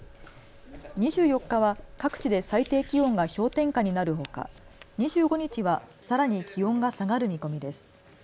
２４日は各地で最低気温が氷点下になるほか２５日はさらに気温が下がる見込みです。